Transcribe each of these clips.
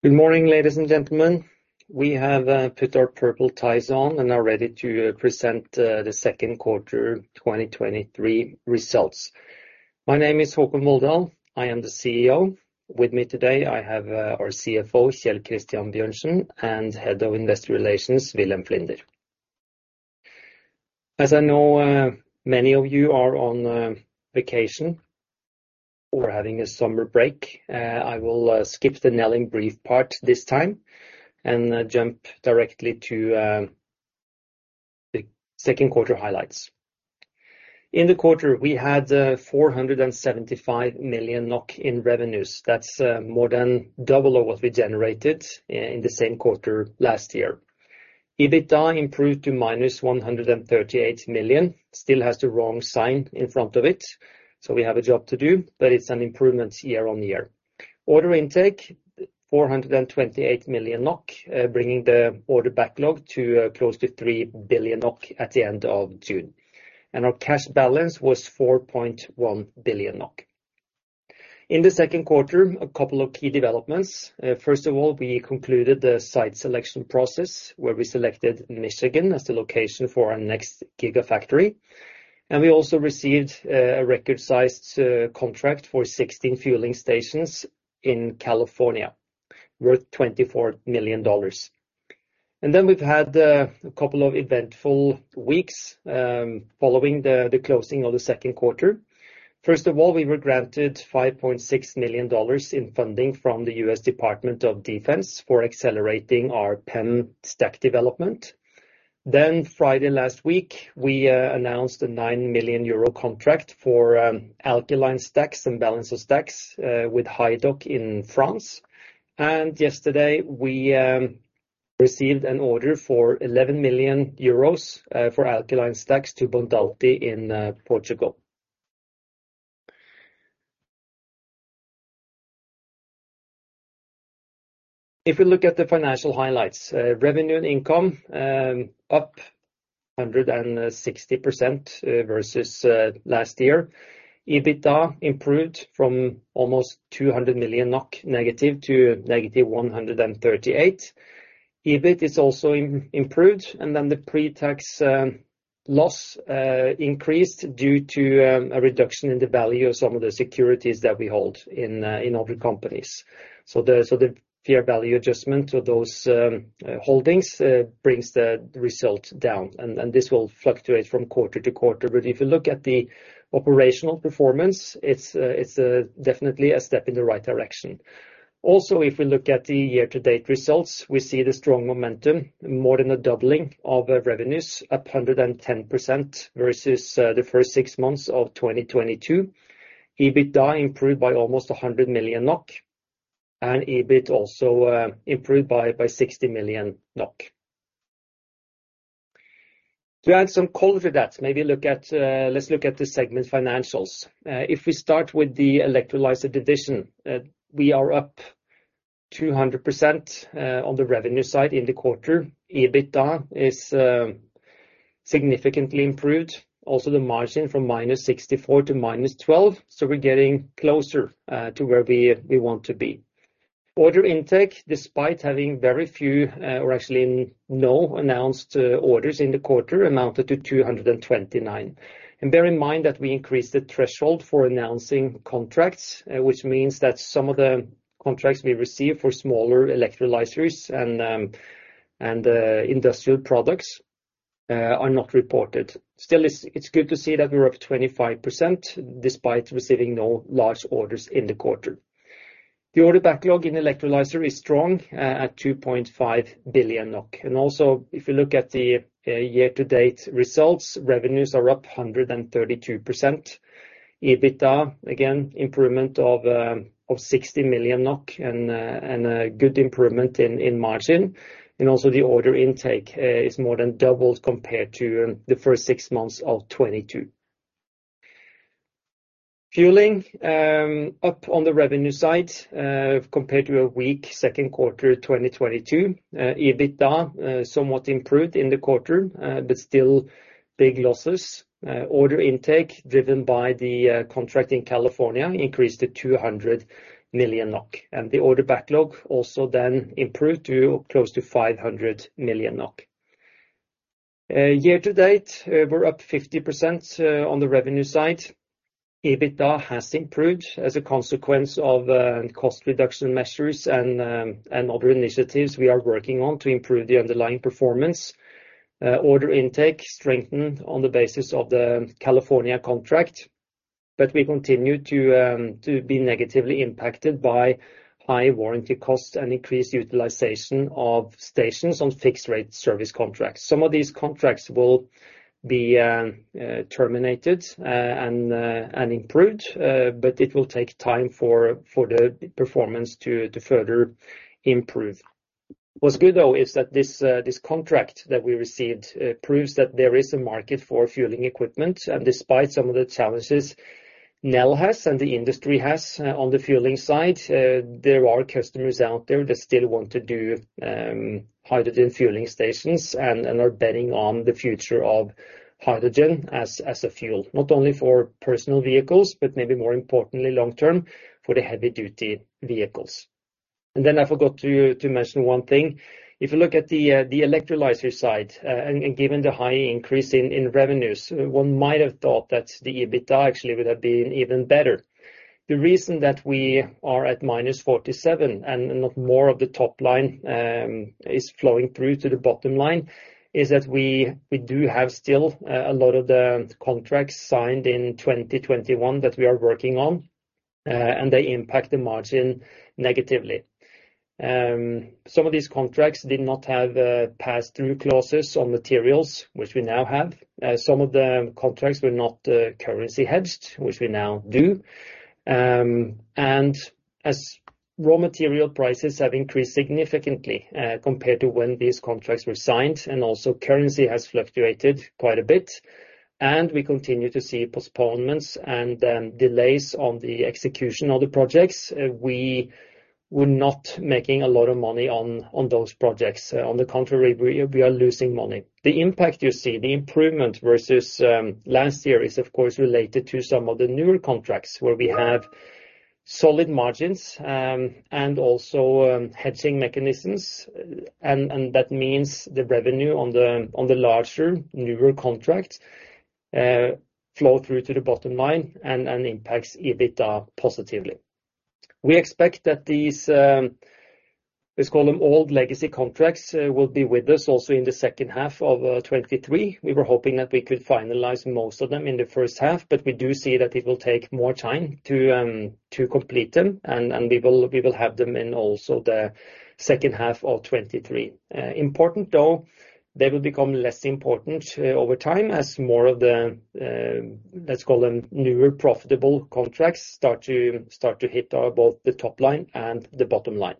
Good morning, ladies and gentlemen. We have put our purple ties on and are ready to present the Q2 2023 results. My name is Håkon Volldal, I am the CEO. With me today, I have our CFO, Kjell Christian Bjørnsen, and Head of Investor Relations, Wilhelm Flinder. As I know, many of you are on vacation or having a summer break, I will skip the Nel brief part this time, and jump directly to the Q2 highlights. In the quarter, we had 475 million NOK in revenues. That's more than double of what we generated in the same quarter last year. EBITDA improved to -138 million. Still has the wrong sign in front of it, so we have a job to do, but it's an improvement year-on-year. Order intake, 428 million NOK, bringing the order backlog to close to three billion NOK at the end of June. Our cash balance was 4.1 billion NOK. In the Q2, a couple of key developments. First of all, we concluded the site selection process, where we selected Michigan as the location for our next gigafactory. We also received a record-sized contract for 16 fueling stations in California, worth $24 million. We've had a couple of eventful weeks following the closing of theQ2. First of all, we were granted $5.6 million in funding from the US Department of Defense for accelerating our PEM stack development. Friday last week, we announced a 9 million euro contract for alkaline stacks and balancer stacks with Hyd'Occ in France. Yesterday, we received an order for 11 million euros for alkaline stacks to Bondalti in Portugal. If we look at the financial highlights, revenue and income up 160% versus last year. EBITDA improved from almost 200 million NOK negative to negative 138 million. EBIT is also improved, the pre-tax loss increased due to a reduction in the value of some of the securities that we hold in other companies. The fair value adjustment to those holdings brings the result down, and this will fluctuate from quarter to quarter. If you look at the operational performance, it's definitely a step in the right direction. If we look at the year-to-date results, we see the strong momentum, more than a doubling of the revenues, up 110%, versus the first six months of 2022. EBITDA improved by almost 100 million NOK, and EBIT also improved by 60 million NOK. To add some color to that, let's look at the segment financials. If we start with the electrolyzer division, we are up 200% on the revenue side in the quarter. EBITDA is significantly improved, also the margin from -64 to -12, so we're getting closer to where we want to be. Order intake, despite having very few or actually no announced orders in the quarter, amounted to 229. Bear in mind that we increased the threshold for announcing contracts, which means that some of the contracts we received for smaller electrolyzers and industrial products are not reported. Still, it's good to see that we're up 25%, despite receiving no large orders in the quarter. The order backlog in electrolyzer is strong at 2.5 billion NOK. Also, if you look at the year-to-date results, revenues are up 132%. EBITDA, again, improvement of 60 million NOK and a good improvement in margin. The order intake is more than double compared to the first six months of 2022. Fueling up on the revenue side compared to a weak Q2, 2022. EBITDA somewhat improved in the quarter, but still big losses. Order intake, driven by the contract in California, increased to 200 million NOK. The order backlog also then improved to close to 500 million NOK. Year to date, we're up 50% on the revenue side. EBITDA has improved as a consequence of cost reduction measures and other initiatives we are working on to improve the underlying performance. Order intake strengthened on the basis of the California contract, but we continue to be negatively impacted by high warranty costs and increased utilization of stations on fixed-rate service contracts. Some of these contracts will be terminated and improved, but it will take time for the performance to further improve. What's good, though, is that this contract that we received proves that there is a market for fueling equipment. Despite some of the challenges Nel has and the industry has on the fueling side. There are customers out there that still want to do hydrogen fueling stations and are betting on the future of hydrogen as a fuel, not only for personal vehicles, but maybe more importantly, long term, for the heavy duty vehicles. I forgot to mention one thing. If you look at the electrolyzer side, and given the high increase in revenues, one might have thought that the EBITDA actually would have been even better. The reason that we are at -47 and not more of the top line, is flowing through to the bottom line, is that we do have still a lot of the contracts signed in 2021 that we are working on, and they impact the margin negatively. Some of these contracts did not have pass-through clauses on materials, which we now have. Some of the contracts were not currency hedged, which we now do. As raw material prices have increased significantly compared to when these contracts were signed, also currency has fluctuated quite a bit, and we continue to see postponements and delays on the execution of the projects, we were not making a lot of money on those projects. On the contrary, we are losing money. The impact you see, the improvement versus last year is, of course, related to some of the newer contracts where we have solid margins, and also hedging mechanisms. That means the revenue on the larger, newer contracts flow through to the bottom line and impacts EBITDA positively. We expect that these, let's call them old legacy contracts, will be with us also in the H2 of 2023. We were hoping that we could finalize most of them in the H1, but we do see that it will take more time to complete them, and we will have them in also the H2 of 2023. Important though, they will become less important over time as more of the, let's call them newer, profitable contracts, start to hit both the top line and the bottom line.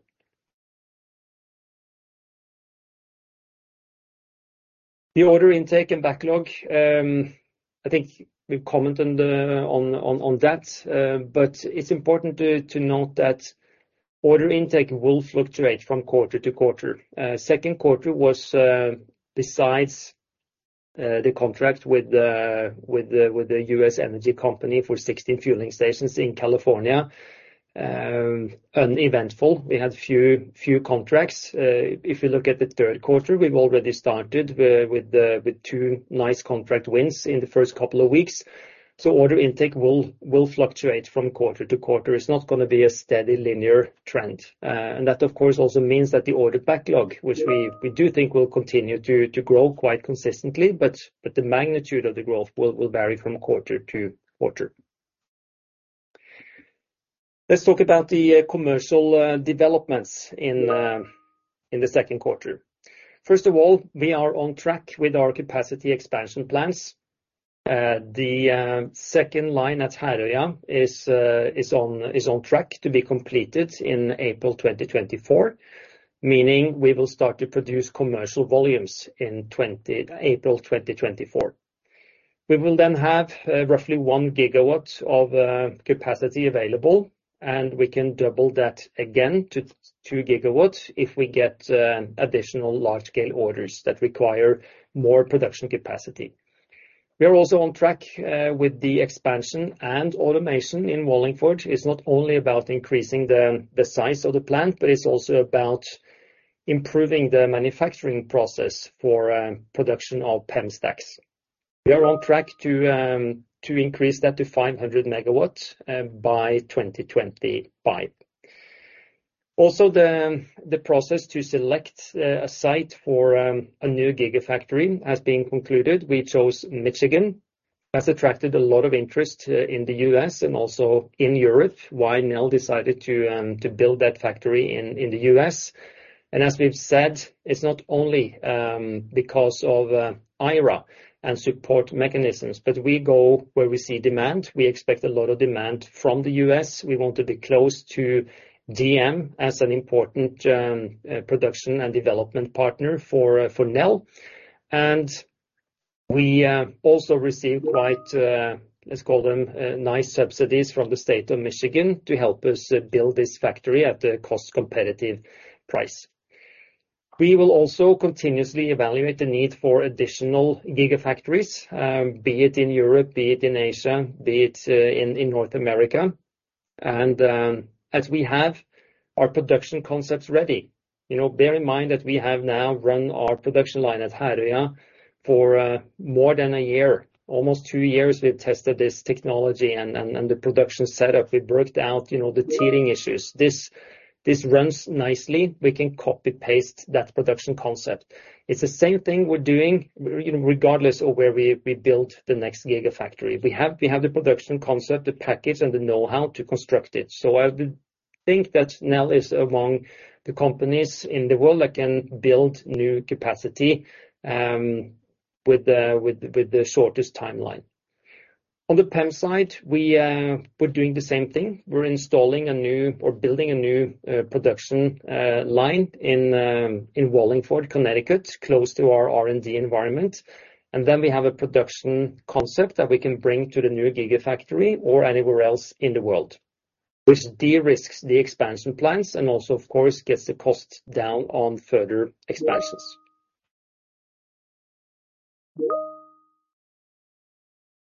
The order intake and backlog, I think we've commented on that, but it's important to note that order intake will fluctuate from quarter to quarter. Q2 was, besides the contract with the U.S. energy company for 16 fueling stations in California, uneventful. We had few contracts. If you look at the Q3, we've already started with two nice contract wins in the first couple of weeks. Order intake will fluctuate from quarter to quarter. It's not gonna be a steady linear trend. That, of course, also means that the order backlog, which we do think will continue to grow quite consistently, but the magnitude of the growth will vary from quarter to quarter. Let's talk about the commercial developments in the Q2. First of all, we are on track with our capacity expansion plans. The second line at Herøya is on track to be completed in April 2024, meaning we will start to produce commercial volumes in April 2024. We will then have roughly one gigawatts of capacity available, and we can double that again to two gigawatts if we get additional large-scale orders that require more production capacity. We are also on track with the expansion and automation in Wallingford. It's not only about increasing the size of the plant, but it's also about improving the manufacturing process for production of PEM stacks. We are on track to increase that to 500 megawatts by 2025. The process to select a site for a new gigafactory has been concluded. We chose Michigan. That's attracted a lot of interest in the U.S. and also in Europe. Why Nel decided to build that factory in the U.S.? As we've said, it's not only because of IRA and support mechanisms, but we go where we see demand. We expect a lot of demand from the U.S. We want to be close to GM as an important production and development partner for Nel. We also received quite, let's call them, nice subsidies from the State of Michigan to help us build this factory at a cost competitive price. We will also continuously evaluate the need for additional gigafactories, be it in Europe, be it in Asia, be it in North America. As we have our production concepts ready, you know, bear in mind that we have now run our production line at Herøya for more than one year. Almost two years, we've tested this technology and the production setup. We've worked out, you know, the teething issues. This runs nicely. We can copy-paste that production concept. It's the same thing we're doing, you know, regardless of where we build the next gigafactory. We have the production concept, the package, and the know-how to construct it. I would think that Nel is among the companies in the world that can build new capacity with the shortest timeline. On the PEM side, we're doing the same thing. We're installing a new or building a new production line in Wallingford, Connecticut, close to our R&D environment. We have a production concept that we can bring to the new gigafactory or anywhere else in the world, which de-risks the expansion plans and also, of course, gets the costs down on further expansions.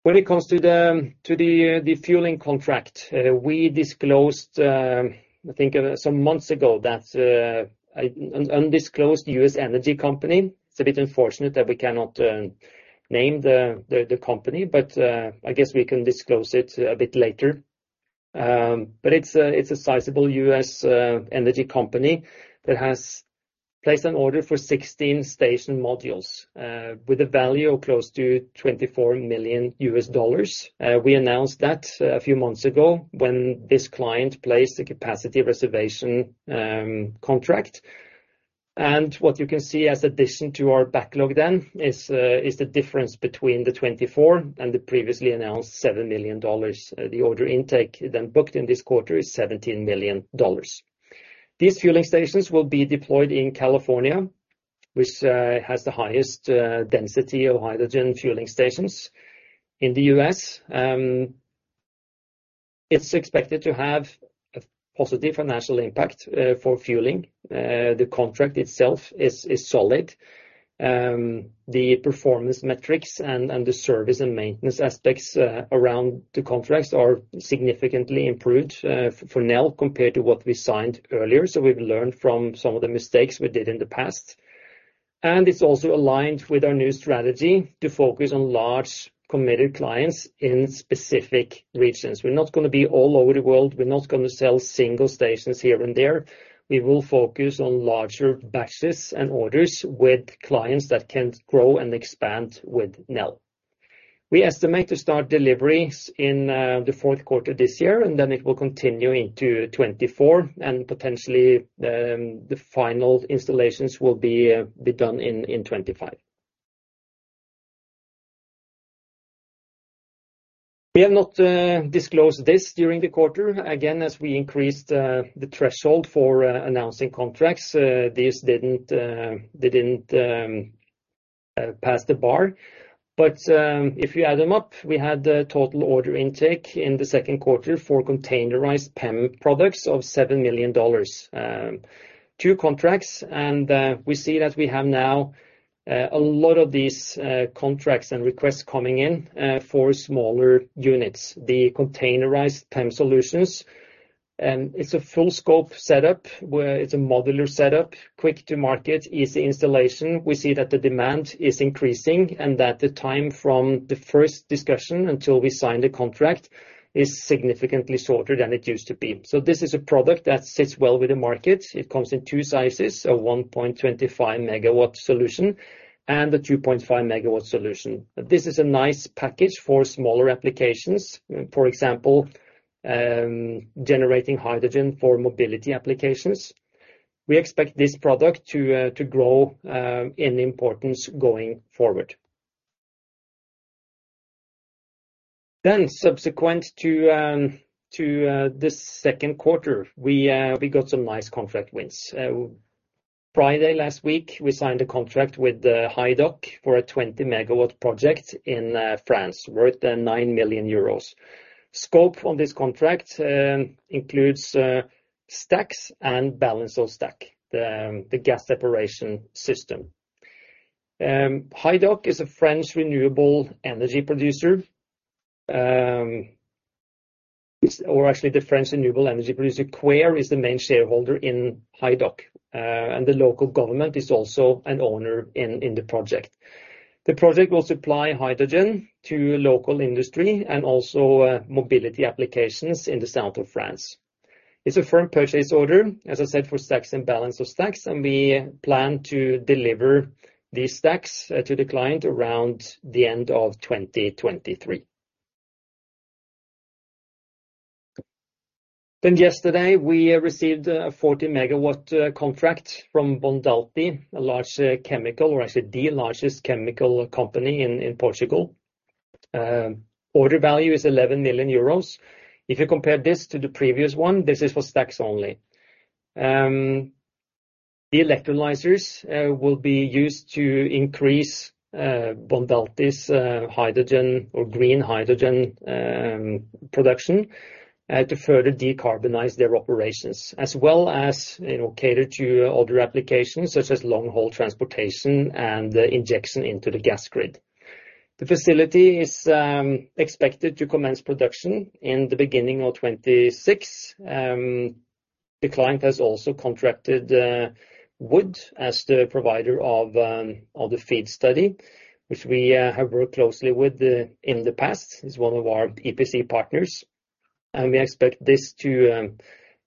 When it comes to the fueling contract, we disclosed, I think some months ago that an undisclosed U.S. energy company, it's a bit unfortunate that we cannot name the company, but I guess we can disclose it a bit later. It's a sizable U.S. energy company that has placed an order for 16 station modules with a value of close to $24 million. We announced that a few months ago when this client placed a capacity reservation contract. What you can see as addition to our backlog then is the difference between the 24 and the previously announced $7 million. The order intake then booked in this quarter is $17 million. These fueling stations will be deployed in California, which has the highest density of hydrogen fueling stations in the U.S. It's expected to have a positive financial impact for fueling. The contract itself is solid. The performance metrics and the service and maintenance aspects around the contracts are significantly improved for Nel compared to what we signed earlier. We've learned from some of the mistakes we did in the past. It's also aligned with our new strategy to focus on large committed clients in specific regions. We're not gonna be all over the world. We're not gonna sell single stations here and there. We will focus on larger batches and orders with clients that can grow and expand with Nel. We estimate to start deliveries in the Q4 this year, and then it will continue into 2024, and potentially, the final installations will be done in 2025. We have not disclosed this during the quarter. Again, as we increased the threshold for announcing contracts, they didn't pass the bar. If you add them up, we had the total order intake in the Q2 for containerized PEM products of $7 million. Two contracts, we see that we have now a lot of these contracts and requests coming in for smaller units, the containerized PEM solutions. It's a full scope setup, where it's a modular setup, quick to market, easy installation. We see that the demand is increasing, and that the time from the first discussion until we sign the contract is significantly shorter than it used to be. This is a product that sits well with the market. It comes in two sizes, a 1.25 MW solution and a 2.5 MW solution. This is a nice package for smaller applications, for example, generating hydrogen for mobility applications. We expect this product to grow in importance going forward. Subsequent to this Q2, we got some nice contract wins. Friday last week, we signed a contract with Hyd'Occ for a 20-MW project in France, worth 9 million euros. Scope on this contract includes stacks and balance of stack, the gas separation system. Hyd'Occ is a French renewable energy producer. Or actually, the French renewable energy producer, Qair, is the main shareholder in Hyd'Occ, and the local government is also an owner in the project. The project will supply hydrogen to local industry and also mobility applications in the South of France. It's a firm purchase order, as I said, for stacks and balance of stack. We plan to deliver these stacks to the client around the end of 2023. Yesterday, we received a 40-megawatt contract from Bondalti, a large chemical, or actually the largest chemical company in Portugal. Order value is 11 million euros. If you compare this to the previous one, this is for stacks only. The electrolyzers will be used to increase Bondalti's hydrogen or green hydrogen production to further decarbonize their operations, as well as, you know, cater to other applications, such as long-haul transportation and injection into the gas grid. The facility is expected to commence production in the beginning of 2026. The client has also contracted Wood as the provider of the FEED study, which we have worked closely with in the past, is one of our EPC partners. We expect this to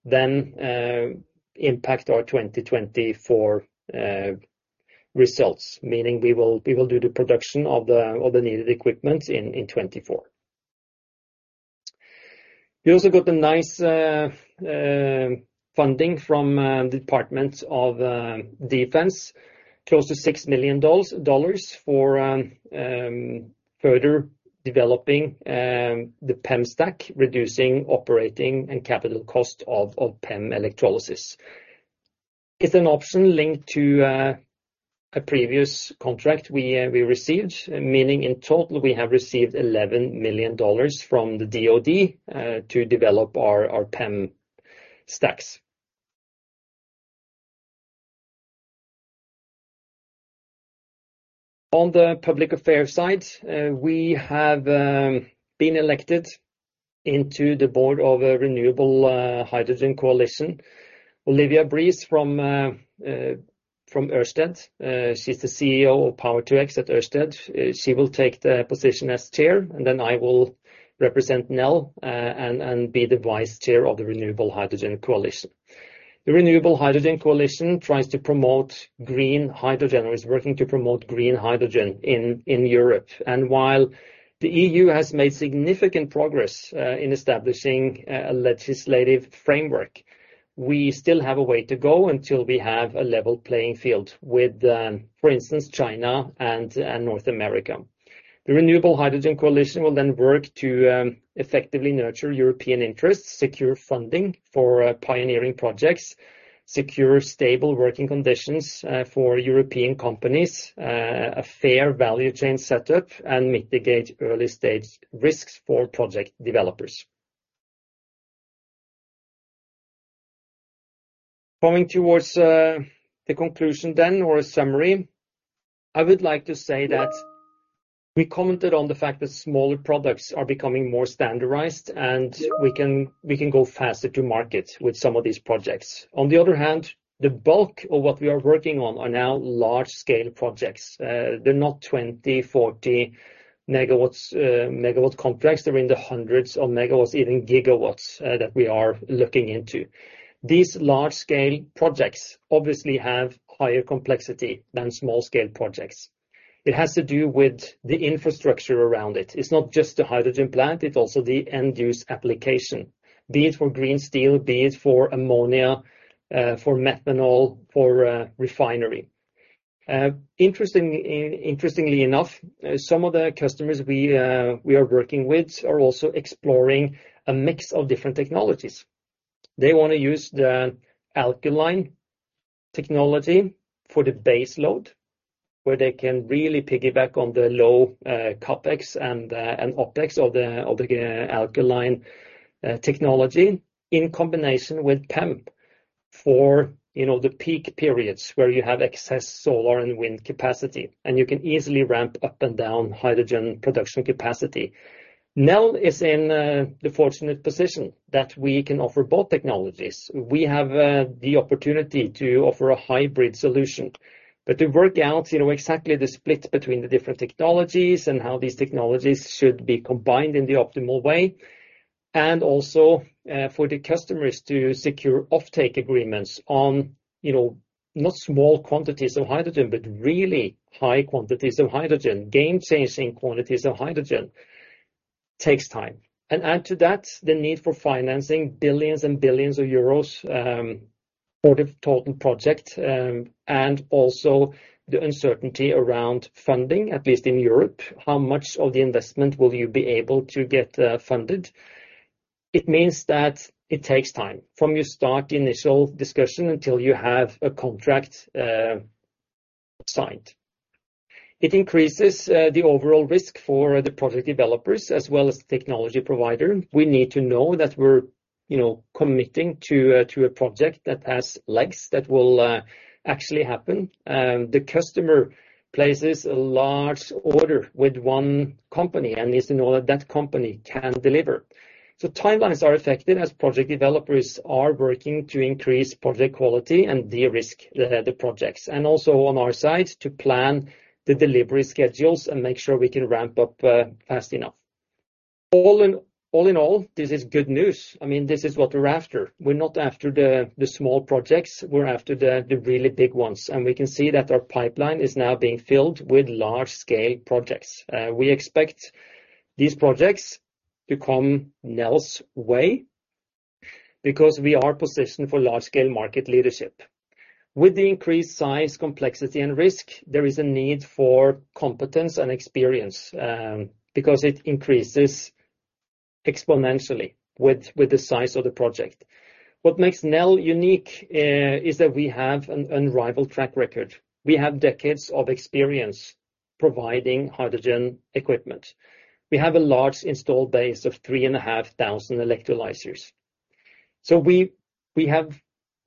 then impact our 2024 results, meaning we will do the production of the needed equipment in 2024. We also got a nice funding from US Department of Defense, close to $6 million for further developing the PEM stack, reducing operating and capital cost of PEM electrolysis. It's an option linked to a previous contract we received, meaning in total, we have received $11 million from the DoD to develop our PEM stacks. On the public affairs side, we have been elected into the board of a Renewable Hydrogen Coalition. Olivia Breese from Ørsted, she's the CEO of Power2X at Ørsted. She will take the position as chair, and then I will represent Nel and be the vice chair of the Renewable Hydrogen Coalition. The Renewable Hydrogen Coalition tries to promote green hydrogen, or is working to promote green hydrogen in Europe. While the EU has made significant progress in establishing a legislative framework, we still have a way to go until we have a level playing field with, for instance, China and North America. The Renewable Hydrogen Coalition will work to effectively nurture European interests, secure funding for pioneering projects, secure stable working conditions for European companies, a fair value chain setup, and mitigate early-stage risks for project developers. Going towards the conclusion, or a summary, I would like to say that we commented on the fact that smaller products are becoming more standardized, and we can go faster to market with some of these projects. On the other hand, the bulk of what we are working on are now large-scale projects. They're not 20, 40 megawatts, megawatt complex. They're in the hundreds of megawatts, even gigawatts, that we are looking into. These large-scale projects obviously have higher complexity than small-scale projects. It has to do with the infrastructure around it. It's not just the hydrogen plant, it's also the end-use application, be it for green steel, be it for ammonia, for methanol, for refinery. Interestingly enough, some of the customers we are working with are also exploring a mix of different technologies. They wanna use the alkaline technology for the base load, where they can really piggyback on the low CapEx and OpEx of the alkaline technology in combination with PEM for, you know, the peak periods where you have excess solar and wind capacity, and you can easily ramp up and down hydrogen production capacity. Nel is in the fortunate position that we can offer both technologies. We have the opportunity to offer a hybrid solution. To work out, you know, exactly the split between the different technologies and how these technologies should be combined in the optimal way, and also, for the customers to secure offtake agreements on, you know, not small quantities of hydrogen, but really high quantities of hydrogen, game-changing quantities of hydrogen, takes time. Add to that, the need for financing billions and billions of euros, for the total project, and also the uncertainty around funding, at least in Europe. How much of the investment will you be able to get funded? It means that it takes time from you start the initial discussion until you have a contract signed. It increases the overall risk for the project developers as well as the technology provider. We need to know that we're, you know, committing to a project that has legs that will actually happen. The customer places a large order with one company and needs to know that that company can deliver. Timelines are effective as project developers are working to increase project quality and de-risk the projects, and also on our side, to plan the delivery schedules and make sure we can ramp up fast enough. All in all, this is good news. I mean, this is what we're after. We're not after the small projects, we're after the really big ones. We can see that our pipeline is now being filled with large-scale projects. We expect these projects to come Nel's way because we are positioned for large-scale market leadership. With the increased size, complexity, and risk, there is a need for competence and experience, because it increases exponentially with the size of the project. What makes Nel unique, is that we have an unrivaled track record. We have decades of experience providing hydrogen equipment. We have a large installed base of 3,500 electrolyzers. We have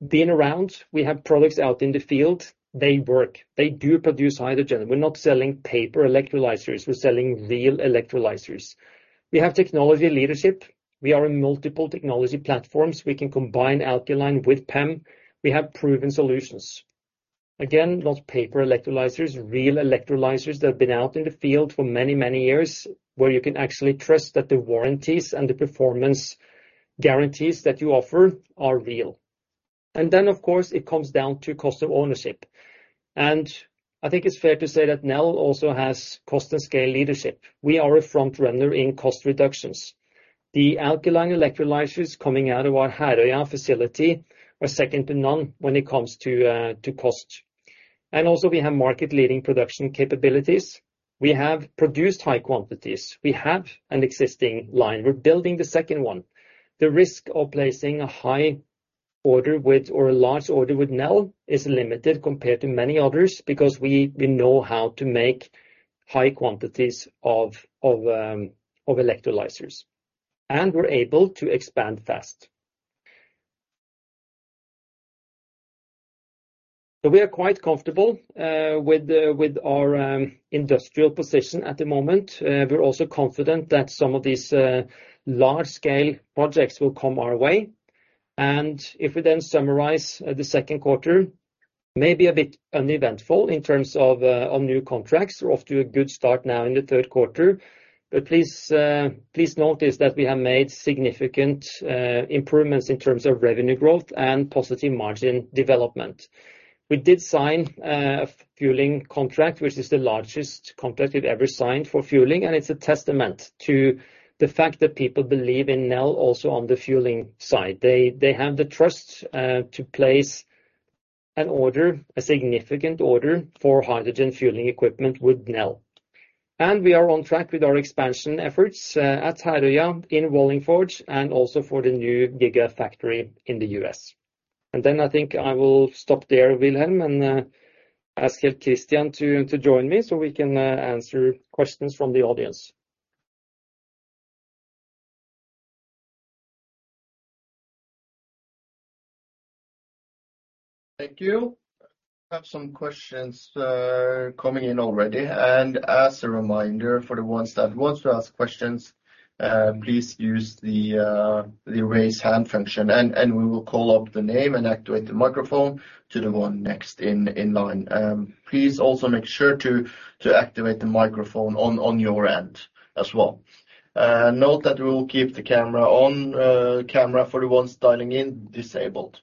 been around, we have products out in the field. They work. They do produce hydrogen. We're not selling paper electrolyzers, we're selling real electrolyzers. We have technology leadership. We are in multiple technology platforms. We can combine alkaline with PEM. We have proven solutions. Again, not paper electrolyzers, real electrolyzers that have been out in the field for many, many years, where you can actually trust that the warranties and the performance guarantees that you offer are real. Then, of course, it comes down to cost of ownership. I think it's fair to say that Nel also has cost and scale leadership. We are a front runner in cost reductions. The alkaline electrolyzers coming out of our Herøya facility are second to none when it comes to cost. Also we have market-leading production capabilities. We have produced high quantities. We have an existing line. We're building the second one. The risk of placing a high order with or a large order with Nel is limited compared to many others, because we know how to make high quantities of electrolyzers, and we're able to expand fast. We are quite comfortable with the, with our industrial position at the moment. We're also confident that some of these large-scale projects will come our way. If we then summarize the Q2, maybe a bit uneventful in terms of on new contracts. We're off to a good start now in the Q3, but please notice that we have made significant improvements in terms of revenue growth and positive margin development. We did sign a fueling contract, which is the largest contract we've ever signed for fueling, and it's a testament to the fact that people believe in Nel, also on the fueling side. They have the trust to place an order, a significant order for hydrogen fueling equipment with Nel. We are on track with our expansion efforts, at Herøya in Wallingford, and also for the new giga factory in the US. I think I will stop there, Wilhelm, and, ask Christian to join me so we can, answer questions from the audience. Thank you. I have some questions coming in already. As a reminder, for the ones that want to ask questions, please use the raise hand function, and we will call up the name and activate the microphone to the one next in line. Please also make sure to activate the microphone on your end as well. Note that we will keep the camera on, camera for the ones dialing in disabled.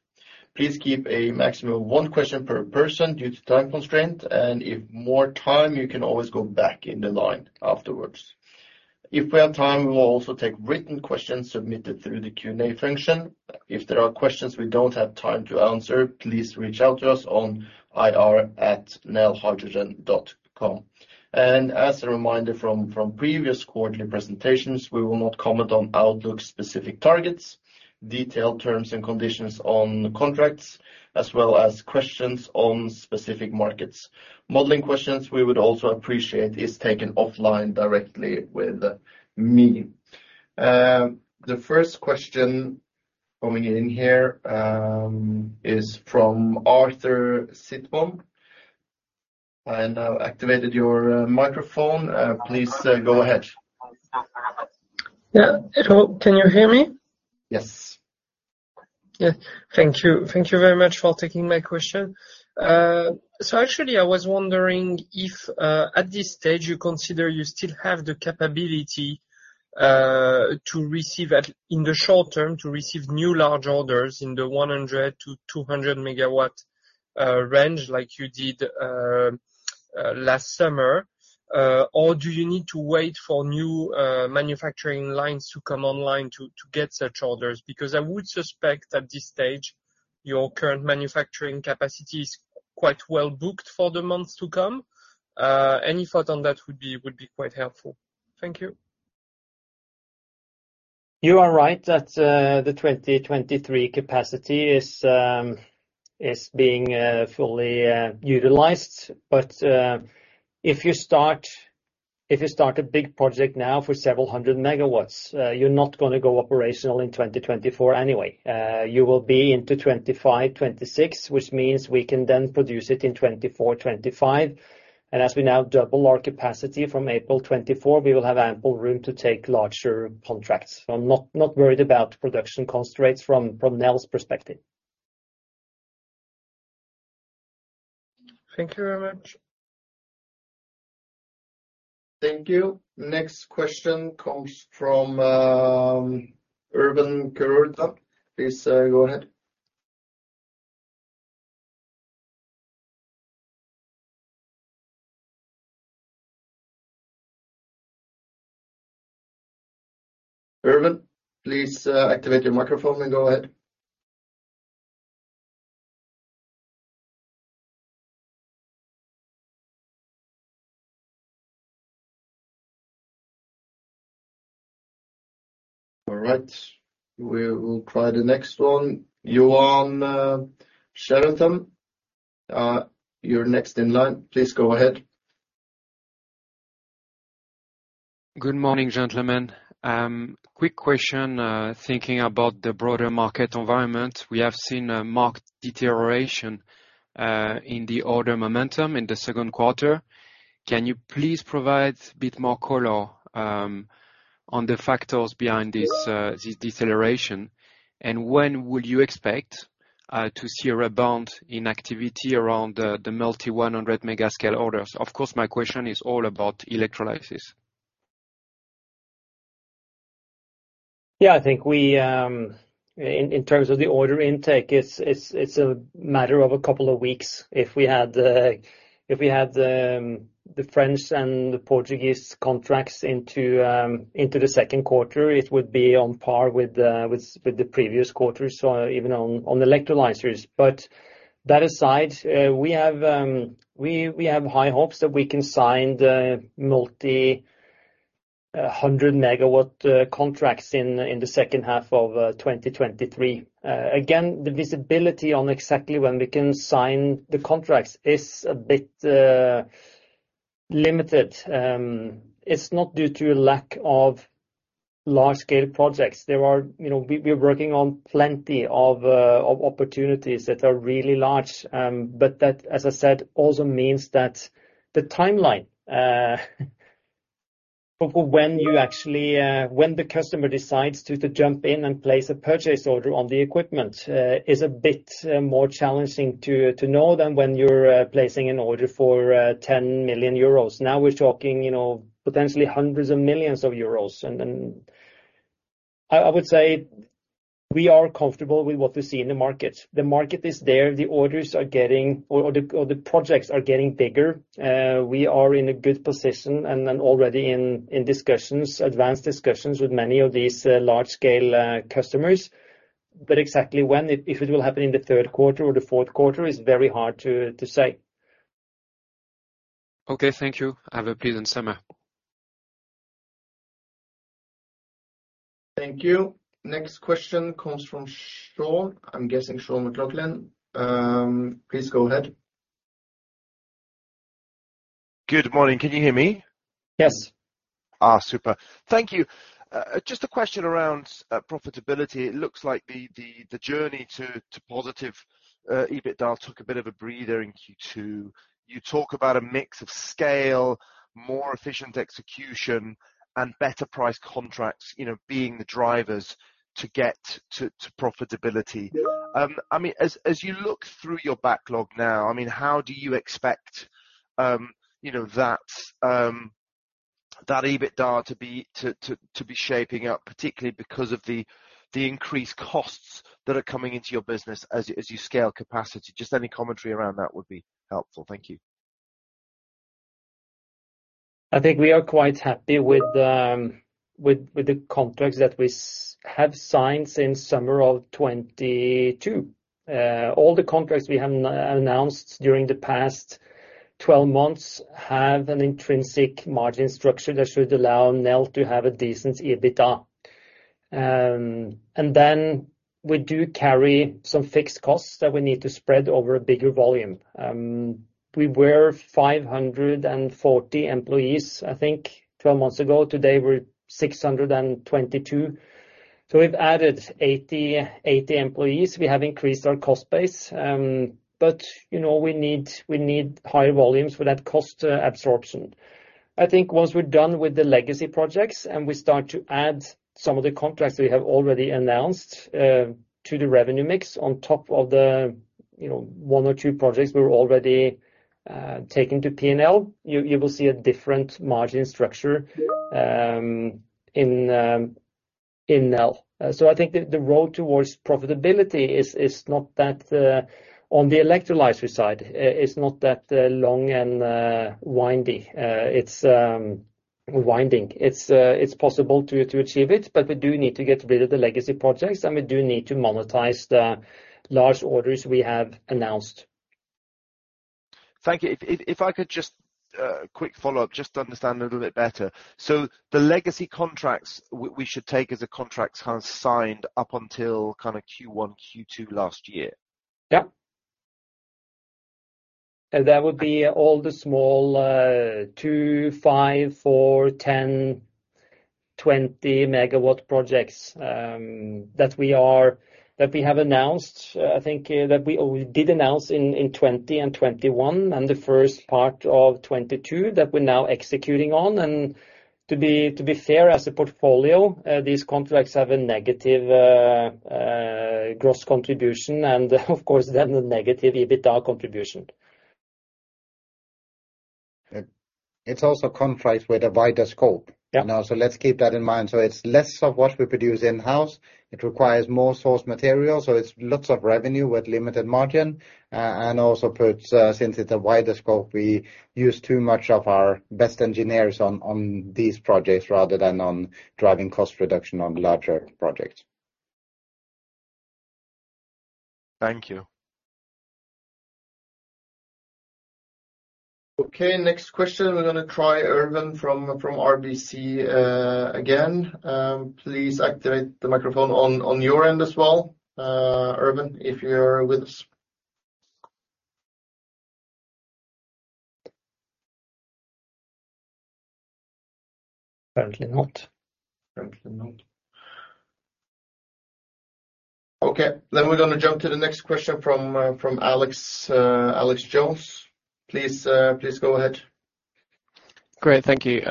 Please keep a maximum of one question per person due to time constraint, and if more time, you can always go back in the line afterwards. If we have time, we will also take written questions submitted through the Q&A function. If there are questions we don't have time to answer, please reach out to us on ir@nelhydrogen.com. As a reminder from previous quarterly presentations, we will not comment on outlook-specific targets, detailed terms and conditions on contracts, as well as questions on specific markets. Modeling questions, we would also appreciate, is taken offline directly with me. The first question coming in here is from Arthur Sitbon. I now activated your microphone. Please go ahead. Yeah, hello. Can you hear me? Yes. Yeah. Thank you. Thank you very much for taking my question. Actually, I was wondering if, at this stage, you consider you still have the capability, In the short term, to receive new large orders in the 100-200 megawatt range, like you did last summer. Do you need to wait for new manufacturing lines to come online to get such orders? I would suspect, at this stage, your current manufacturing capacity is quite well booked for the months to come. Any thought on that would be quite helpful. Thank you. You are right that, the 2023 capacity is being, fully, utilized. If you start a big project now for several hundred megawatts, you're not gonna go operational in 2024 anyway. You will be into 2025, 2026, which means we can then produce it in 2024, 2025. As we now double our capacity from April 2024, we will have ample room to take larger contracts. I'm not worried about production constraints from Nel's perspective. Thank you very much. Thank you. Next question comes from, Erwan Kerouredan. Please, go ahead. Erwan, please, activate your microphone and go ahead. All right, we will try the next one. Johan Sheridan, you're next in line. Please go ahead. Good morning, gentlemen. Quick question, thinking about the broader market environment. We have seen a marked deterioration in the order momentum in the Q2. Can you please provide a bit more color on the factors behind this deceleration? When would you expect to see a rebound in activity around the multi 100 mega scale orders? Of course, my question is all about electrolysis. I think we, in terms of the order intake, it's a matter of a couple of weeks. If we had the French and the Portuguese contracts into the Q2, it would be on par with the previous quarters, so even on the electrolyzers. That aside, we have high hopes that we can sign the multi-hundred megawatt contracts in the H2 of 2023. Again, the visibility on exactly when we can sign the contracts is a bit limited. It's not due to a lack of large-scale projects. You know, we are working on plenty of opportunities that are really large. That, as I said, also means that the timeline for when you actually when the customer decides to jump in and place a purchase order on the equipment is a bit more challenging to know than when you're placing an order for 10 million euros. Now we're talking, you know, potentially hundreds of millions of EUR. I would say we are comfortable with what we see in the market. The market is there, the orders are getting or the projects are getting bigger. We are in a good position and then already in discussions, advanced discussions with many of these large-scale customers. Exactly when, if it will happen in the Q3 or the Q4, is very hard to say. Okay, thank you. Have a pleasant summer. Thank you. Next question comes from Sean. I'm guessing Sean McLoughlin. Please go ahead. Good morning. Can you hear me? Yes. Super. Thank you. Just a question around profitability. It looks like the journey to positive EBITDA took a bit of a breather in Q2. You talk about a mix of scale, more efficient execution, and better price contracts, you know, being the drivers to get to profitability. I mean, as you look through your backlog now, I mean, how do you expect, you know, that EBITDA to be shaping up, particularly because of the increased costs that are coming into your business as you scale capacity? Just any commentary around that would be helpful. Thank you. I think we are quite happy with the contracts that we have signed since summer of 2022. All the contracts we have announced during the past 12 months have an intrinsic margin structure that should allow Nel to have a decent EBITDA. We do carry some fixed costs that we need to spread over a bigger volume. We were 540 employees, I think, 12 months ago. Today, we're 622. We've added 80 employees. We have increased our cost base, you know, we need higher volumes for that cost absorption. I think once we're done with the legacy projects, and we start to add some of the contracts we have already announced, to the revenue mix on top of the, you know, one or two projects we're already taking to P&L, you will see a different margin structure in Nel. I think the road towards profitability is not that on the electrolyzer side is not that long and windy. It's winding. It's possible to achieve it, we do need to get rid of the legacy projects, we do need to monetize the large orders we have announced. Thank you. If I could just, quick follow-up, just to understand a little bit better. The legacy contracts, we should take as the contracts have signed up until kind of Q1, Q2 last year? Yeah. That would be all the small, two, five, four, 10, 20 megawatt projects, that we have announced. I think that we did announce in 2020 and 2021, and the first part of 2022, that we're now executing on. To be fair, as a portfolio, these contracts have a negative gross contribution and of course, then a negative EBITDA contribution. It's also contracts with a wider scope. Yeah. you know, so let's keep that in mind. It's less of what we produce in-house. It requires more source material, so it's lots of revenue with limited margin, and also puts, since it's a wider scope, we use too much of our best engineers on these projects rather than on driving cost reduction on larger projects. Thank you. Okay, next question. We're gonna try Irvin from RBC again. Please activate the microphone on your end as well, Irvin, if you're with us. Apparently not. Apparently not. Okay, then we're gonna jump to the next question from Alex, Alexander Jones. Please, please go ahead. Great, thank you.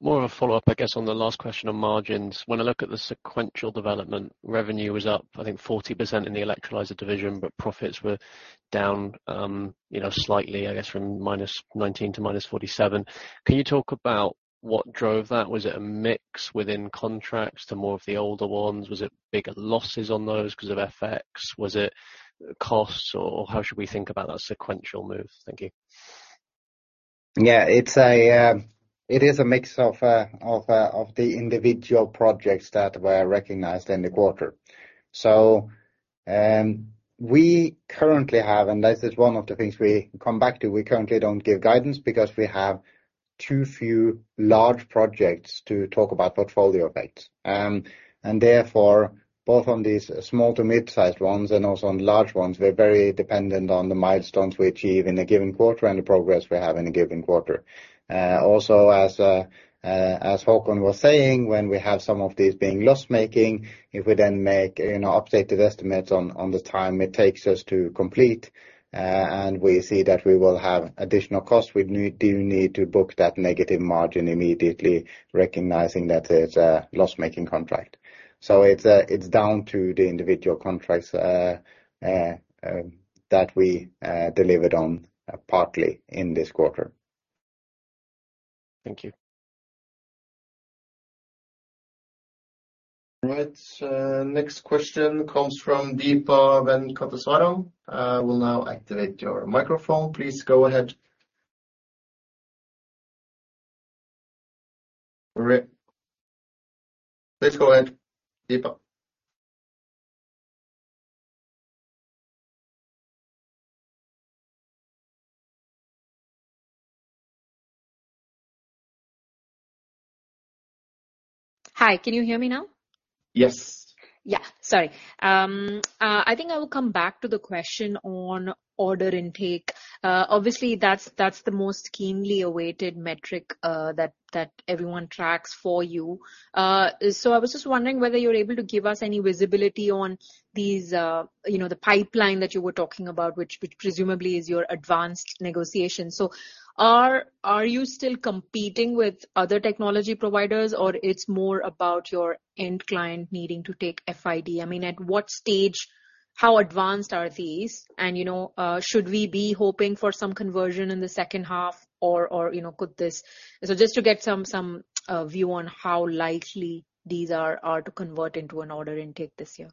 More of a follow-up, I guess, on the last question on margins. When I look at the sequential development, revenue was up, I think, 40% in the electrolyzer division, but profits were down, you know, slightly, I guess from -19% to -47%. Can you talk about what drove that? Was it a mix within contracts to more of the older ones? Was it bigger losses on those 'cause of FX? Was it costs, or how should we think about that sequential move? Thank you. Yeah, it's a, it is a mix of, of the individual projects that were recognized in the quarter. We currently have, and this is one of the things we come back to, we currently don't give guidance because we have too few large projects to talk about portfolio effects. Both on these small to mid-sized ones and also on large ones, we're very dependent on the milestones we achieve in a given quarter and the progress we have in a given quarter. Also, as Håkon was saying, when we have some of these being loss-making, if we then make, you know, updated estimates on the time it takes us to complete, and we see that we will have additional costs, we do need to book that negative margin immediately, recognizing that it's a loss-making contract. It's down to the individual contracts that we delivered on partly in this quarter. Thank you. All right, next question comes from Deepa Venkateswaran. I will now activate your microphone. Please go ahead. Please go ahead, Deepa. Hi, can you hear me now? Yes. Sorry. I think I will come back to the question on order intake. Obviously, that's the most keenly awaited metric that everyone tracks for you. I was just wondering whether you're able to give us any visibility on these, you know, the pipeline that you were talking about, which presumably is your advanced negotiation. Are you still competing with other technology providers, or it's more about your end client needing to take FID? I mean, at what stage, how advanced are these? You know, should we be hoping for some conversion in the H2, or, you know, could this... Just to get some view on how likely these are to convert into an order intake this year.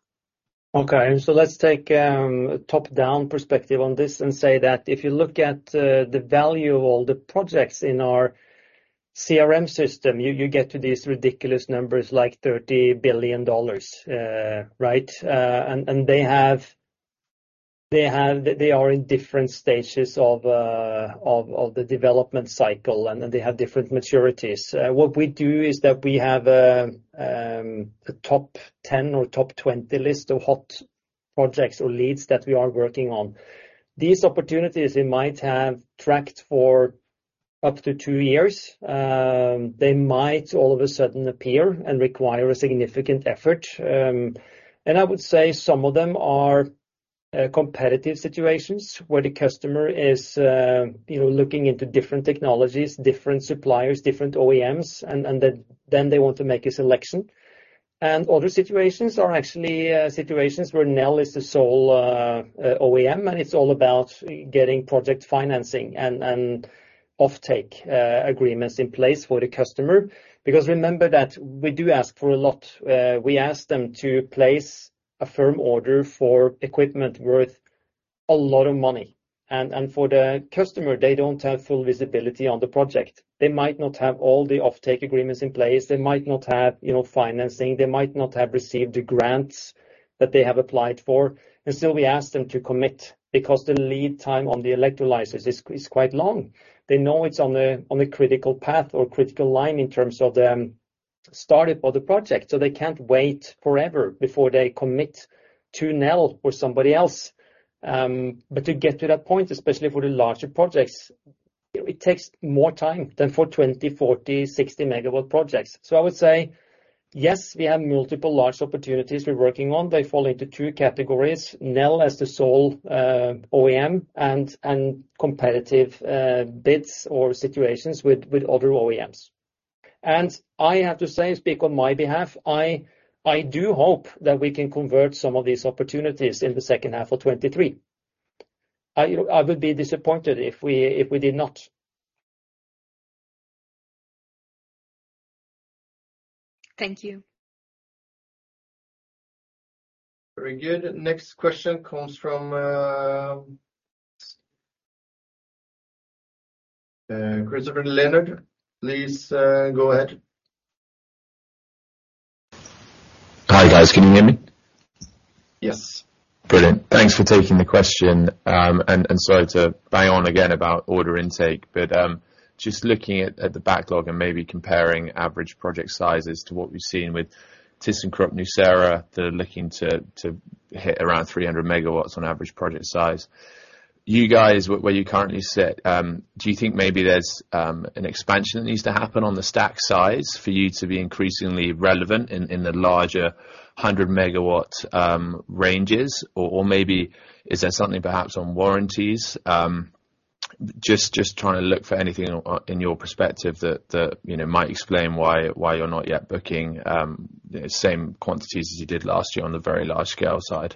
Let's take a top-down perspective on this and say that if you look at the value of all the projects in our CRM system, you get to these ridiculous numbers like $30 billion, right? They are in different stages of the development cycle, and they have different maturities. What we do is that we have a top 10 or top 20 list of hot projects or leads that we are working on. These opportunities, we might have tracked for up to two years. They might all of a sudden appear and require a significant effort. I would say some of them are competitive situations, where the customer is, you know, looking into different technologies, different suppliers, different OEMs, and then they want to make a selection. Other situations are actually situations where Nel is the sole OEM, and it's all about getting project financing and offtake agreements in place for the customer. Remember that we do ask for a lot. We ask them to place a firm order for equipment worth a lot of money, and for the customer, they don't have full visibility on the project. They might not have all the offtake agreements in place. They might not have, you know, financing. They might not have received the grants that they have applied for. Still, we ask them to commit because the lead time on the electrolyzers is quite long. They know it's on a critical path or critical line in terms of the startup of the project, so they can't wait forever before they commit to Nel or somebody else. To get to that point, especially for the larger projects, it takes more time than for 20, 40, 60 megawatt projects. I would say, yes, we have multiple large opportunities we're working on. They fall into two categories: Nel as the sole OEM, and competitive bids or situations with other OEMs. I have to say, speak on my behalf, I do hope that we can convert some of these opportunities in the H2 of 2023. You know, I would be disappointed if we did not. Thank you. Very good. Next question comes from, Christopher Leonard. Please, go ahead. Hi, guys. Can you hear me? Yes. Brilliant. Thanks for taking the question. Sorry to bang on again about order intake, but just looking at the backlog and maybe comparing average project sizes to what we've seen with Thyssenkrupp Nucera, they're looking to hit around 300 megawatts on average project size. You guys, where you currently sit, do you think maybe there's an expansion that needs to happen on the stack size for you to be increasingly relevant in the larger 100 megawatt ranges? Maybe is there something perhaps on warranties? Just trying to look for anything in your perspective that, you know, might explain why you're not yet booking the same quantities as you did last year on the very large scale side.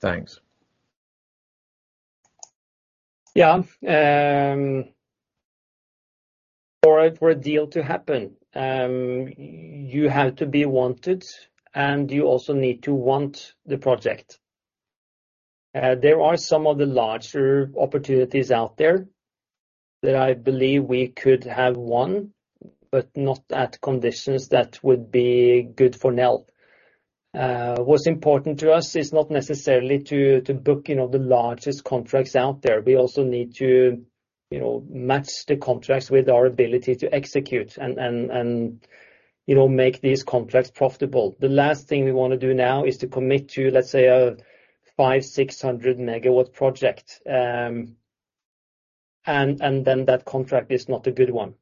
Thanks. Yeah, for a deal to happen, you have to be wanted, and you also need to want the project. There are some of the larger opportunities out there that I believe we could have won, but not at conditions that would be good for Nel. What's important to us is not necessarily to book, you know, the largest contracts out there. We also need to, you know, match the contracts with our ability to execute and, you know, make these contracts profitable. The last thing we wanna do now is to commit to, let's say, a 500, 600 megawatt project, and then that contract is not a good one.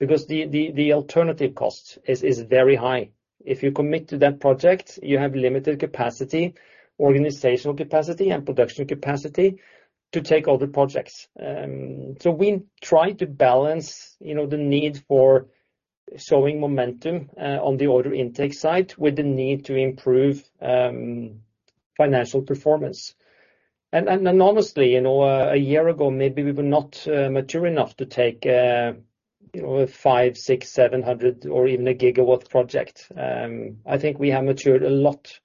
Because the alternative cost is very high. If you commit to that project, you have limited capacity, organizational capacity and production capacity to take other projects. We try to balance, you know, the need for showing momentum on the order intake side, with the need to improve financial performance. Honestly, you know, a year ago, maybe we were not mature enough to take, you know, a 5, 6, 700 or even a gigawatt project. I think we have matured a lot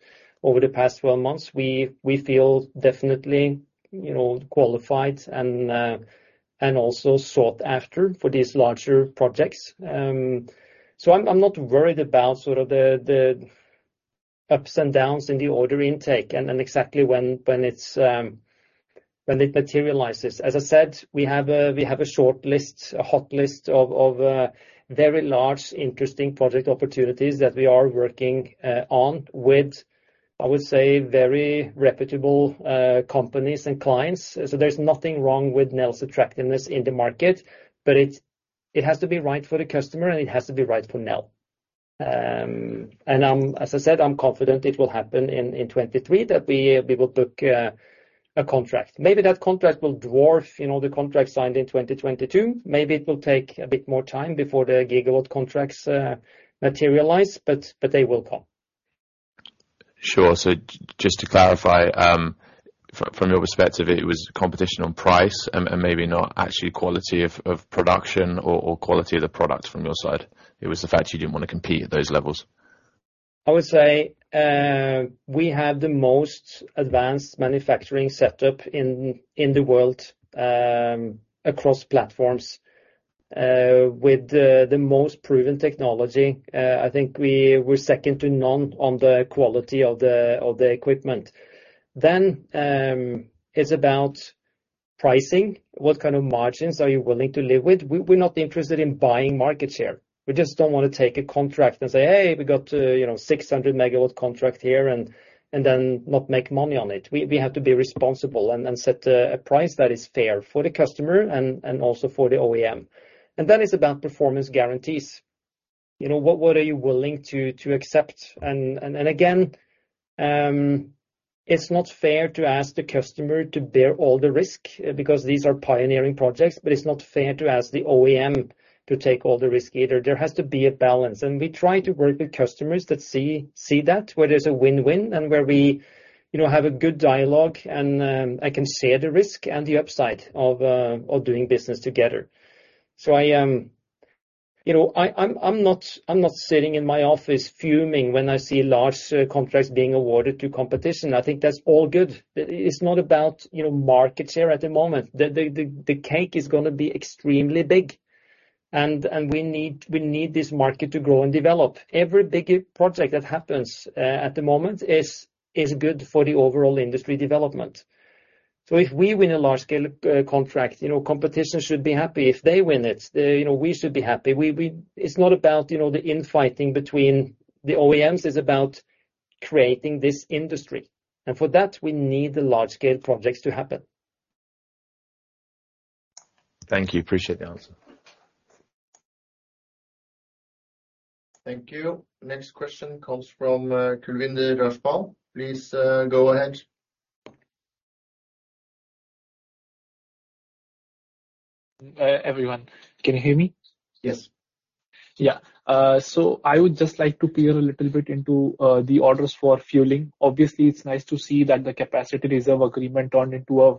over the past 12 months. We feel definitely, you know, qualified and also sought after for these larger projects. I'm not worried about sort of the ups and downs in the order intake and exactly when it materializes. As I said, we have a short list, a hot list of very large, interesting project opportunities that we are working on, with, I would say, very reputable companies and clients. There's nothing wrong with Nel's attractiveness in the market, but it has to be right for the customer, and it has to be right for Nel. As I said, I'm confident it will happen in 2023, that we will book a contract. Maybe that contract will dwarf, you know, the contract signed in 2022. Maybe it will take a bit more time before the gigawatt contracts materialize, but they will come. Sure. just to clarify, from your perspective, it was competition on price and maybe not actually quality of production or quality of the products from your side? It was the fact you didn't want to compete at those levels. I would say, we have the most advanced manufacturing setup in the world, across platforms, with the most proven technology. I think we're second to none on the quality of the equipment. It's about pricing. What kind of margins are you willing to live with? We're not interested in buying market share. We just don't want to take a contract and say, "Hey, we got, you know, 600 megawatt contract here," and then not make money on it. We have to be responsible and set a price that is fair for the customer and also for the OEM. It's about performance guarantees. You know, what are you willing to accept? Again, it's not fair to ask the customer to bear all the risk, because these are pioneering projects, but it's not fair to ask the OEM to take all the risk either. There has to be a balance, and we try to work with customers that see that, where there's a win-win and where we, you know, have a good dialogue and I can see the risk and the upside of doing business together. I, you know, I'm not sitting in my office fuming when I see large contracts being awarded to competition. I think that's all good. It's not about, you know, market share at the moment. The cake is gonna be extremely big, and we need this market to grow and develop. Every big project that happens, at the moment is good for the overall industry development. If we win a large-scale, contract, you know, competition should be happy. If they win it, you know, we should be happy. It's not about, you know, the infighting between the OEMs, it's about creating this industry. For that, we need the large-scale projects to happen. Thank you. Appreciate the answer. Thank you. Next question comes from Kulwinder Rajpal. Please go ahead. Everyone, can you hear me? Yes. Yeah. I would just like to peer a little bit into the orders for fueling. Obviously, it's nice to see that the capacity reserve agreement turned into a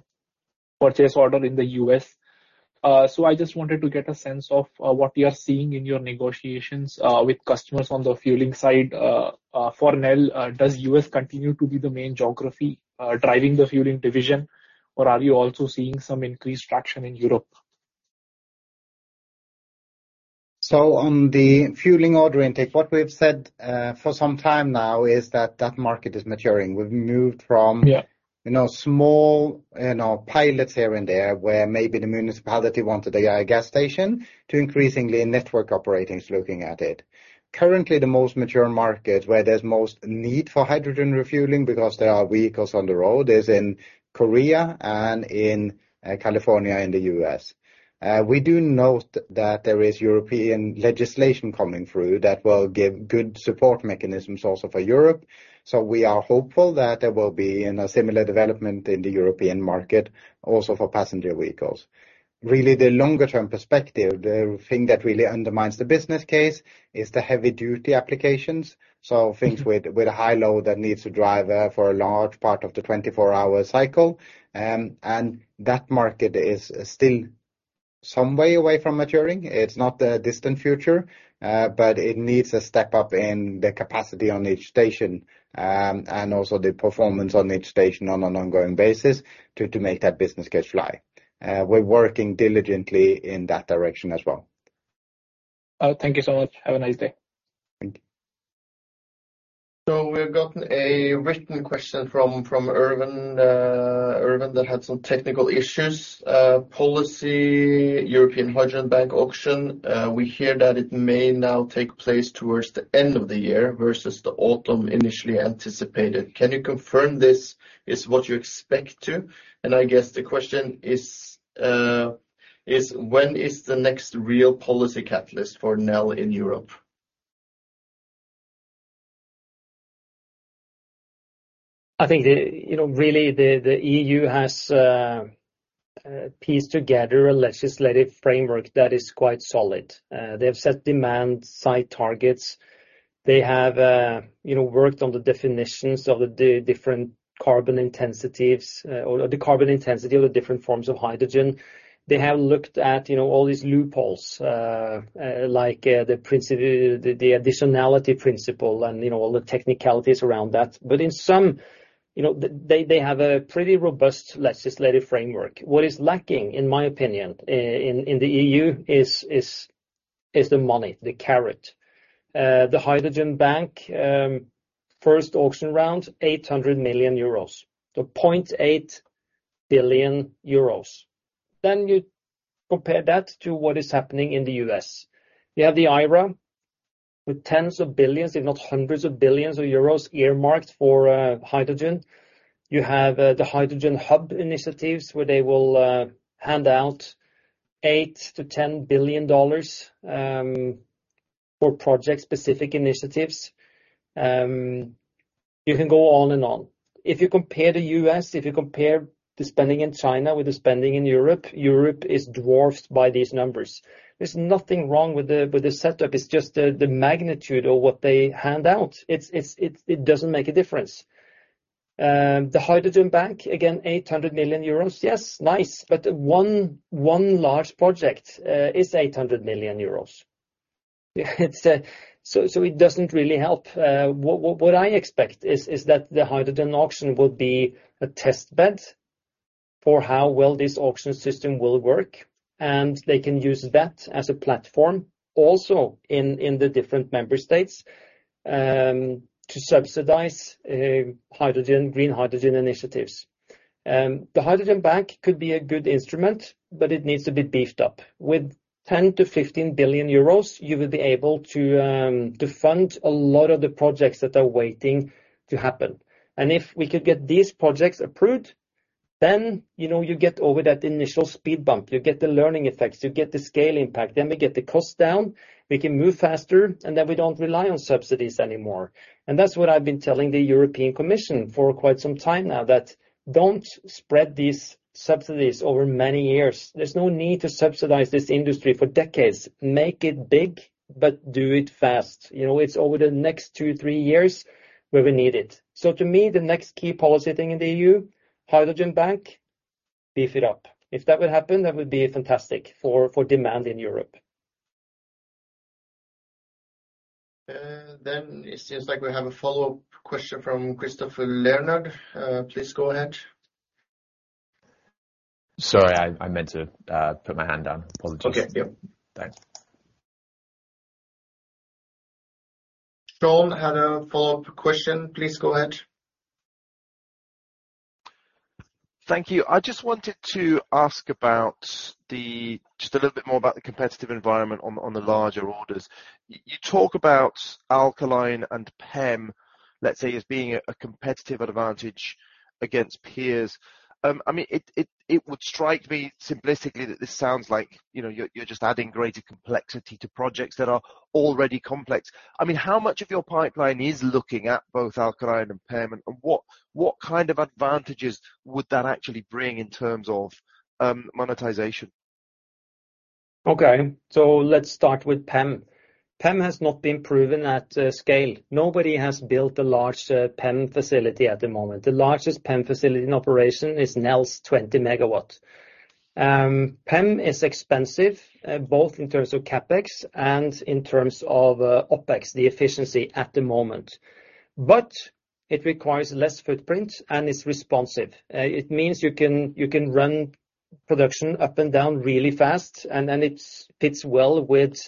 purchase order in the U.S. I just wanted to get a sense of what you are seeing in your negotiations with customers on the fueling side. For Nel, does U.S. continue to be the main geography driving the fueling division, or are you also seeing some increased traction in Europe? On the fueling order intake, what we've said for some time now is that that market is maturing. We've moved from-. Yeah... you know, small, you know, pilots here and there, where maybe the municipality wanted a gas station, to increasingly network operators looking at it. Currently, the most mature market, where there's most need for hydrogen refueling, because there are vehicles on the road, is in Korea and in California, in the U.S. We do note that there is European legislation coming through that will give good support mechanisms also for Europe, so we are hopeful that there will be, you know, similar development in the European market, also for passenger vehicles. Really, the longer term perspective, the thing that really undermines the business case, is the heavy-duty applications. Things with a high load that needs to drive for a large part of the 24-hour cycle. That market is still some way away from maturing. It's not the distant future, but it needs a step up in the capacity on each station, and also the performance on each station on an ongoing basis to make that business case fly. We're working diligently in that direction as well. Thank you so much. Have a nice day. Thank you. We've gotten a written question from Irvin, that had some technical issues. Policy, European Hydrogen Bank auction. We hear that it may now take place towards the end of the year versus the autumn initially anticipated. Can you confirm this is what you expect to? I guess the question is when is the next real policy catalyst for Nel in Europe? I think the, you know, really, the EU has pieced together a legislative framework that is quite solid. They have set demand, site targets. They have, you know, worked on the definitions of the different carbon intensities, or the carbon intensity or the different forms of hydrogen. They have looked at, you know, all these loopholes, like the additionality principle and, you know, all the technicalities around that. In some, you know, they have a pretty robust legislative framework. What is lacking, in my opinion, in the EU is the money, the carrot. The Hydrogen Bank, first auction round, 800 million euros. 0.8 billion euros. You compare that to what is happening in the U.S. You have the IRA, with tens of billions, if not hundreds of billions of EUR, earmarked for hydrogen. You have the hydrogen hub initiatives, where they will hand out $8 billion-$10 billion for project-specific initiatives. You can go on and on. If you compare the U.S., if you compare the spending in China with the spending in Europe is dwarfed by these numbers. There's nothing wrong with the setup, it's just the magnitude of what they hand out. It doesn't make a difference. The Hydrogen Bank, again, 800 million euros. Yes, nice, one large project is 800 million euros. It doesn't really help. What I expect is that the hydrogen auction will be a test bed for how well this auction system will work. They can use that as a platform, also in the different member states, to subsidize hydrogen, green hydrogen initiatives. The Hydrogen Bank could be a good instrument, but it needs to be beefed up. With 10 billion-15 billion euros, you will be able to fund a lot of the projects that are waiting to happen. If we could get these projects approved, you know, you get over that initial speed bump, you get the learning effects, you get the scale impact. We get the cost down, we can move faster. We don't rely on subsidies anymore. That's what I've been telling the European Commission for quite some time now, that don't spread these subsidies over many years. There's no need to subsidize this industry for decades. Make it big, but do it fast. You know, it's over the next two, three years where we need it. To me, the next key policy thing in the EU, Hydrogen Bank, beef it up. If that would happen, that would be fantastic for demand in Europe. It seems like we have a follow-up question from Christopher Leonard. Please go ahead. Sorry, I meant to put my hand down. Apologies. Okay. Yep. Thanks. Sean had a follow-up question. Please go ahead. Thank you. I just wanted to ask about the just a little bit more about the competitive environment on the larger orders. You talk about alkaline and PEM, let's say, as being a competitive advantage against peers. I mean, it would strike me simplistically that this sounds like, you know, you're just adding greater complexity to projects that are already complex. I mean, how much of your pipeline is looking at both alkaline and PEM, and what kind of advantages would that actually bring in terms of monetization? Okay, let's start with PEM. PEM has not been proven at scale. Nobody has built a large PEM facility at the moment. The largest PEM facility in operation is Nel's 20 megawatt. PEM is expensive, both in terms of CapEx and in terms of OpEx, the efficiency at the moment. It requires less footprint and is responsive. It means you can run production up and down really fast, it fits well with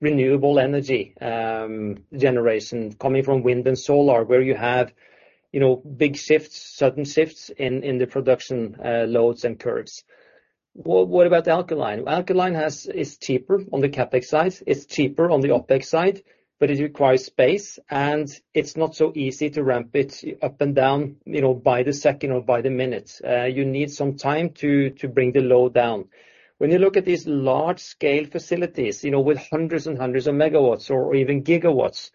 renewable energy generation coming from wind and solar, where you have, you know, big shifts, sudden shifts in the production loads and curves. Well, what about the alkaline? Alkaline is cheaper on the CapEx side. It's cheaper on the OpEx side, but it requires space, and it's not so easy to ramp it up and down, you know, by the second or by the minute. You need some time to bring the load down. When you look at these large-scale facilities, you know, with hundreds and hundreds of megawatts or even gigawatts,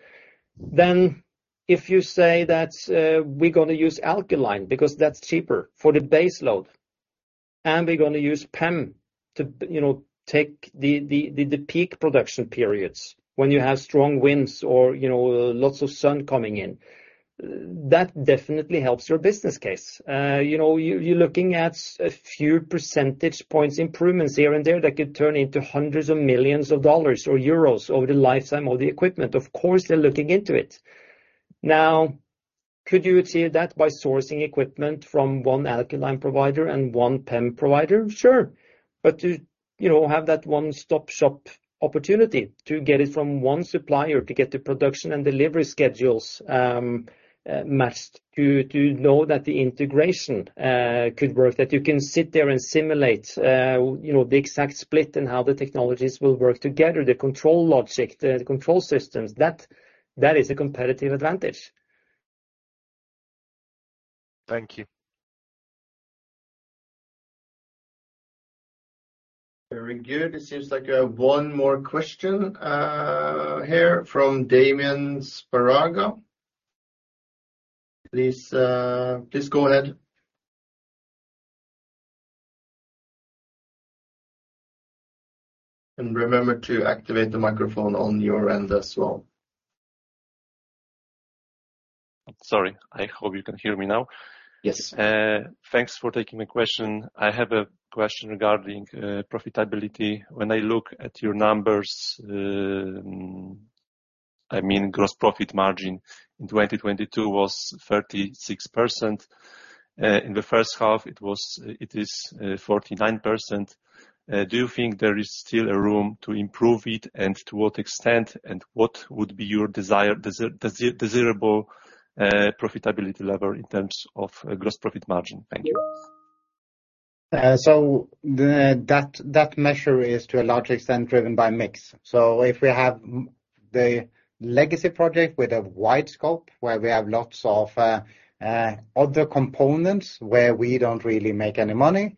then if you say that we're gonna use alkaline because that's cheaper for the base load. We're going to use PEM to, you know, take the peak production periods when you have strong winds or, you know, lots of sun coming in. That definitely helps your business case. You know, you're looking at a few percentage points improvements here and there that could turn into hundreds of millions of dollars or euros over the lifetime of the equipment. Of course, they're looking into it. Could you achieve that by sourcing equipment from one alkaline provider and one PEM provider? Sure. To, you know, have that one-stop-shop opportunity to get it from one supplier, to get the production and delivery schedules matched, to know that the integration could work, that you can sit there and simulate, you know, the exact split and how the technologies will work together, the control logic, the control systems, that is a competitive advantage. Thank you. Very good. It seems like I have one more question, here from Damian Szparaga. Please, please go ahead. Remember to activate the microphone on your end as well. Sorry, I hope you can hear me now. Yes. Thanks for taking my question. I have a question regarding profitability. When I look at your numbers, gross profit margin in 2022 was 36%. In the H1, it is 49%. Do you think there is still a room to improve it, and to what extent, and what would be your desired, desirable profitability level in terms of gross profit margin? Thank you. That measure is, to a large extent, driven by mix. If we have the legacy project with a wide scope, where we have lots of other components where we don't really make any money,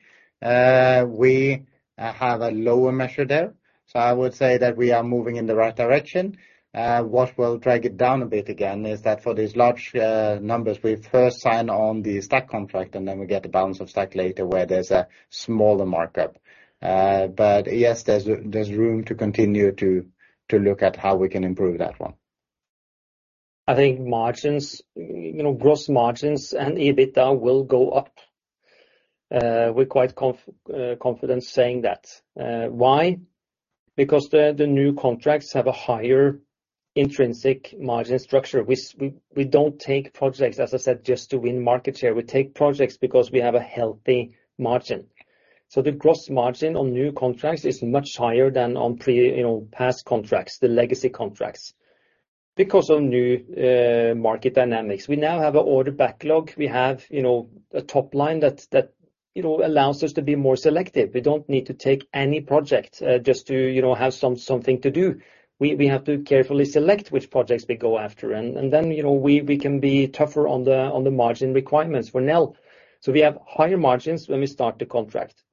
we have a lower measure there. I would say that we are moving in the right direction. What will drag it down a bit again is that for these large numbers, we first sign on the stack contract, and then we get the balance of stack later, where there's a smaller markup. Yes, there's room to continue to look at how we can improve that one. I think margins, you know, gross margins and EBITDA will go up. We're quite confident saying that. Why? Because the new contracts have a higher intrinsic margin structure. We don't take projects, as I said, just to win market share. We take projects because we have a healthy margin. The gross margin on new contracts is much higher than on pre, you know, past contracts, the legacy contracts, because of new market dynamics. We now have an order backlog. We have, you know, a top line that, you know, allows us to be more selective. We don't need to take any project just to, you know, have something to do. We have to carefully select which projects we go after, and then, you know, we can be tougher on the margin requirements for Nel. We have higher margins when we start the contract.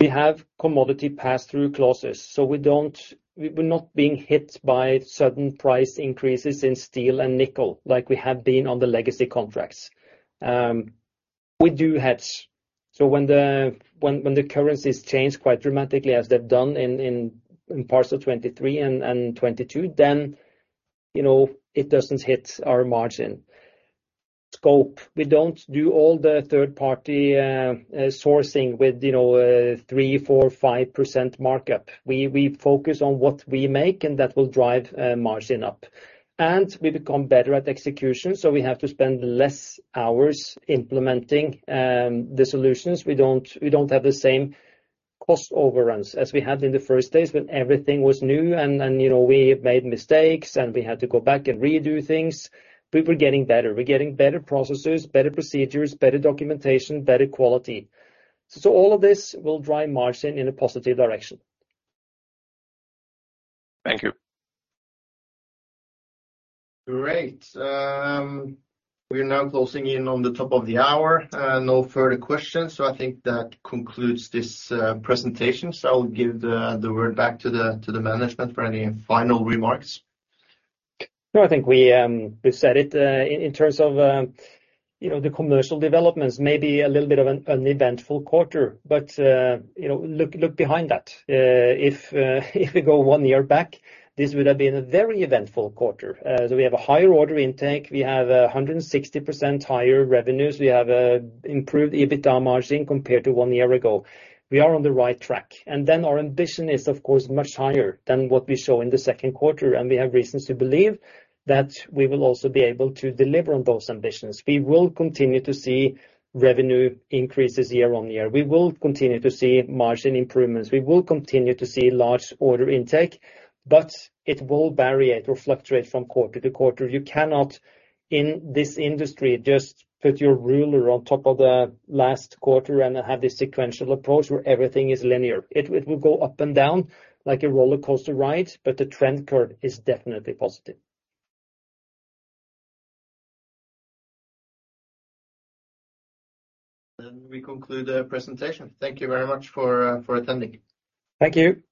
We have commodity pass-through clauses, so we're not being hit by certain price increases in steel and nickel like we have been on the legacy contracts. We do hedge, so when the currencies change quite dramatically, as they've done in parts of 2023 and 2022, then, you know, it doesn't hit our margin. Scope, we don't do all the third-party sourcing with, you know, 3%, 4%, 5% markup. We focus on what we make, and that will drive margin up. We become better at execution, so we have to spend less hours implementing the solutions. We don't have the same cost overruns as we had in the first days when everything was new and, you know, we made mistakes, and we had to go back and redo things. We're getting better. We're getting better processes, better procedures, better documentation, better quality. All of this will drive margin in a positive direction. Thank you. Great. We are now closing in on the top of the hour. No further questions. I think that concludes this presentation. I'll give the word back to the management for any final remarks. No, I think we've said it, in terms of, you know, the commercial developments, maybe a little bit of an eventful quarter. You know, look behind that. If we go one year back, this would have been a very eventful quarter. We have a higher order intake. We have 160% higher revenues. We have a improved EBITDA margin compared to one year ago. We are on the right track. Our ambition is, of course, much higher than what we show in the Q2, and we have reasons to believe that we will also be able to deliver on those ambitions. We will continue to see revenue increases year-over-year. We will continue to see margin improvements. We will continue to see large order intake. It will variate or fluctuate from quarter to quarter. You cannot, in this industry, just put your ruler on top of the last quarter and have this sequential approach where everything is linear. It will go up and down like a rollercoaster ride, but the trend curve is definitely positive. We conclude the presentation. Thank you very much for attending. Thank you!